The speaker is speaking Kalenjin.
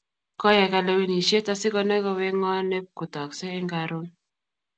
Koyai kalewenisiet asikonai kowek ng'o nepkotaksei eng' karon.